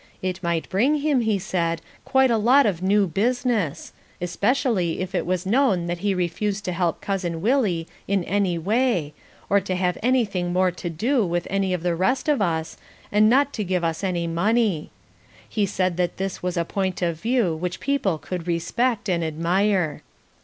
It might bring him, he said, quite a lot of new business; especially if it was known that he refused to help Cousin Willie in any way or to have anything more to do with any of the rest of us, and not to give us any money. He said that this was a point of view which people could respect and admire.